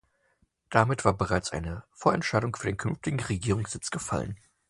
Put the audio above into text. Damit war bereits eine Vorentscheidung für den künftigen Regierungssitz gefallen.